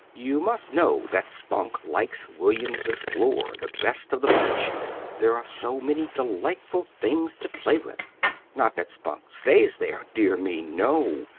"You must know that Spunk likes William's floor the best of the bunch, there are so many delightful things to play with. Not that Spunk stays there dear me, no.